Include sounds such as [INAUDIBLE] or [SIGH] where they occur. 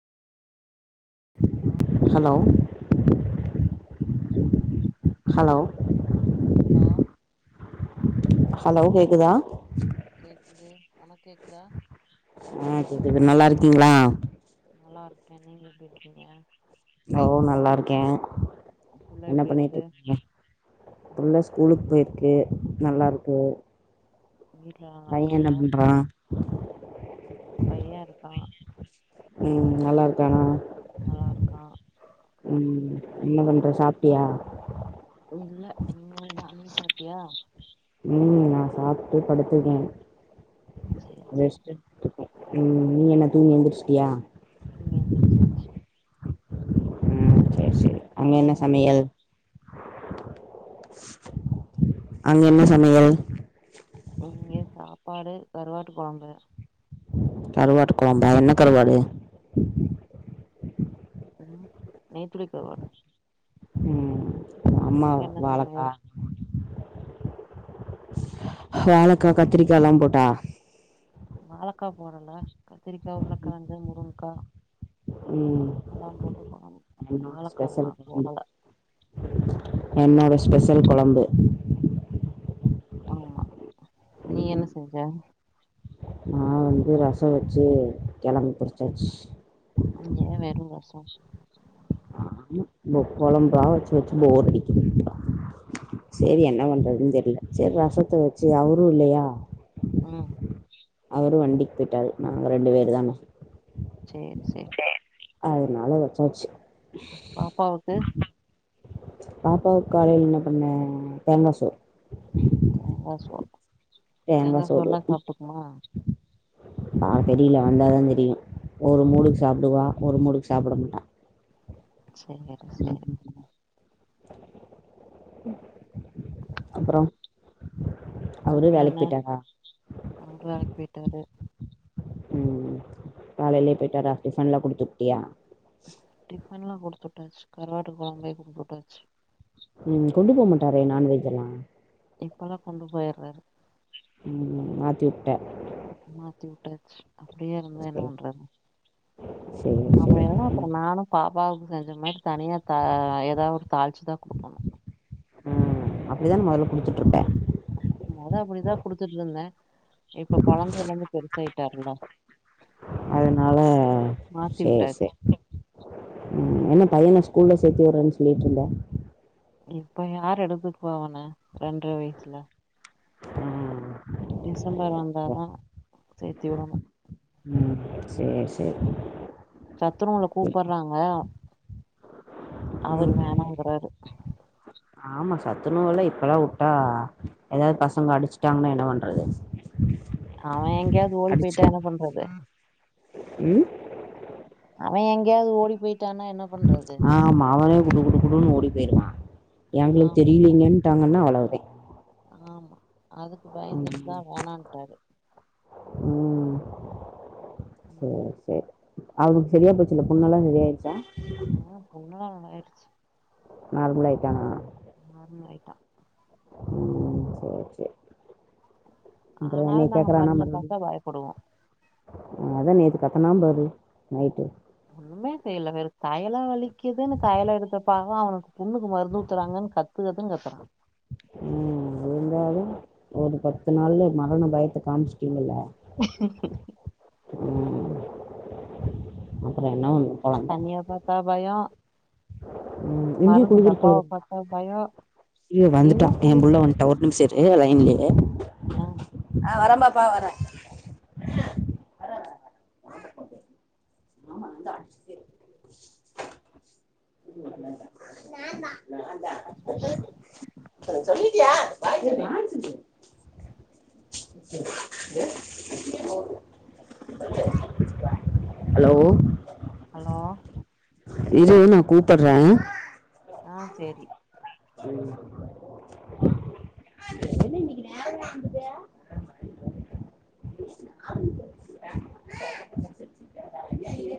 hello hello சொல்லுங்க hello hello hello கேக்குதா கேக்குது உனக்கு கேக்குதா ஆ கேக்குது நல்லா இருக்கீங்ளா நல்லா இருக்கே நீங்க எப்டி இருக்கீங்க ஓ நல்லா இருக்கே புள்ள என்ன எப்டி பண்ணிட் இருக்கு இருக்கீங்க புள்ள ஸ்கூலுக் போயிருக்கு நல்லா இருக்கு வீட்ல நல்லா பைய என்ன இருக்காங்களா பண்றா பைய இருக்கா ம் நல்லா இருக்கானா நல்லா இருக்கா ம் என்ன பண்ற சாப்டியா இல்ல இன்மேல்தா நீ சாப்டியா ம் நா சாப்ட்டு படுத்துருக்கே சேரி சேரி ரெஸ்ட்டு ம் நீ என்ன தூங்கி எந்திரிச்சுட்டியா தூங்கி எந்திரிச்சாச்சு ம் சேரி சேரி அங்க என்ன சமையல் அங்க என்ன சமையல் இங்க சாப்பாடு கருவாட்டு கொழம்பு கருவாட்டு கொழம்பா என்ன கருவாடு ம் நெய்துளி கருவாடு ம் அங்க அம்மாகு என்ன வாழக்கா சமையல் வாழக்கா கத்திரிக்கால்லா போட்டா வாழக்கா போடல கத்திரிக்கா உருளக்கெழங்கு முருங்க்கா ம் எல்லா போட்டு பண்னணு என்னோட ஸ்பெஷல் வாழக்கால்லா குழம்பு போடல என்னோட ஸ்பெஷல் கொழம்பு ஆமா நீ என்ன செஞ்ச நா வந்து ரசோ வச்சு கெழங்கு பொரிச்சாச்சு இங்க வெறு ரசோ ஆ மு முட் கொழம்பா வச்சு வச்சு போர் அடிக்குது சேரி என்ன பண்றதுன்னு தெரியல சேரி ரசத்த வச்சு அவரு இல்லயா ம் அவரு வண்டிக்கு போயிட்டாரு நாங்க ரெண்டு பேரு தான சேரி சேரி அதனால வச்சாச்சு பாப்பாவுக்கு பாப்பாவுக்கு காலைல என்ன பண்ணே தேங்கா சோறு தேங்கா சோறு தேங்காய் தேங்கா சோறுல்லா சாப்ட்டுக்குமா அ தெரியல வந்தாதா தெரியு ஒரு மூடுக்கு சாப்டுவா ஒரு மூடுக்கு சாப்ட மாட்டா சேரி சேரி அப்பறோ அப்பறோ என்ன அவரு வேலைக்கு போயிட்டாரு ம் காலையிலயே போயிட்டாரா டிஃபன்எல்லா குடுத்து உட்டியா டிஃபன்ல்லா குடுத்து வுட்டாச்சு கருவாட்டு கொழம்பே குடுத்து வுட்டாச்சு ம் கொண்டு போமாட்டாரே நான்வெஜ்ல்லா இப்பல்லா கொண்டு போயிடுறாரு ம் மாத்தி விட்டே மாத்தி வுட்டாச்சு அப்டியே இருந்தா என்ன பண்றது சேரி சேரி அப்பறோ நானு பாப்பாவுக்கு செஞ்ச மாரி தனியா த ஏதாவது தாளிச்சுதா குடுக்கணு ம் அப்டித்தான மொதல்ல குடித்துட்டுருப்பே மொத அப்டிதா குடுத்துட்டு இருந்தே இப்ப கொழந்த எல்லாமே பெருசாயிட்டாங்கல்ல அதனால மாத்தி சேரி விட்டாச்சு சேரி ம் என்ன பையன ஸ்கூல்ல சேத்தி விடுறேன்னு சொல்லிட்டுருந்த இப்ப யாரு எடுத்துட்டு போவன ரெண்டற வயசுல ம் ம் டிசம்பர் வந்தாதா சேத்தி விடணு ம் சேரி சேரி சத்துணவுல கூப்டறாங்க அவரு ம் வேணாங்கறாரு ஆமா சத்துணோவுலா இப்ல்லா வுட்டா ஏதாவது பசங்க அடிச்சுட்டாங்கன்னா என்ன பண்றது அவே எங்கேயாவது ஓடி அடிச்சு போயிட்டா என்ன பண்றது ம் அவ எங்கயாவது ஓடி போயி ஆமா அவனே குடு குடு குடுனு ஓடி போயிருவா எங்களுக் தெரியலீங்க ட்டாங்கன்னா அவ்வளவுதே அனா ஆமா அதுக்கு ம் பயந்துட்டுதா வேணான்டாரு ம் ம் சரி சரி அவளுக்கு சரியா போச்சுல்ல புண்ணுல்லா சரிய ஆயிச்சா ஆ புண்ணுலா நல்லாயிருச்சு நார்மல் ஆயிட்டானா நார்மல் ஆயிட்டா ம் செரி செரி அப்புற ஆனாலு என்னய நாங்க கேக்குறனா மருந்த மறுவடி பாத்தா பயப்படுவோ அதா நேத்து கத்துனா பாரு நைட்டு ஒண்ணுமே செய்யல வேரு தலலா வலிகுதுனு தயல எடுத்தப்பாங்க அவனுக்கு புண்ணுக்கு மருந்து ஊத்துறாங்கனு கத் [UNINTELLIGIBLE] கத்துறா ம் இருந்தாலு ஒரு பத்து நாள்ல மரண பயத்த காமிச்சுட்டீங்கல்ல ச [UNINTELLIGIBLE] அப்பறோ என்ன கொழந்த தண்ணியா பாத்தா பய ம் இங்கேயு குளிரிறுக்கு பயோ இரு இன்னு வந்துட்டா புடி என் புள்ளவன்ட ஒரு நிமிச இரு லைன்ல இரு ஆ ஆ வரம்பப்பா வரே ஆமாான் [UNINTELLIGIBLE] சொல்லிட்டியா ப சொல் ஏ [UNINTELLIGIBLE] ஹலோ ஹலோ இரு நா கூப்புறே ஆ செரி என்ன இன்னைக்கு நேர இருந்தது [UNINTELLIGIBLE]